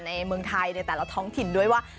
ในเมืองไทยในแต่ละท้องถิ่นด้วยว่า